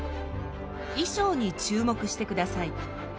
衣装に注目してください。